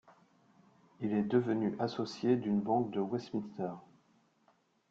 Il est devenu associé d'une banque de Westminster.